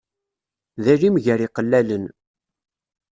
D alim gar iqellalen.